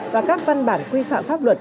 và các văn bản quy phạm pháp luật